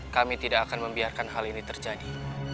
kami tidak akan membiarkan hal ini terjadi